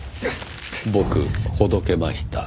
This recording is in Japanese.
僕ほどけました。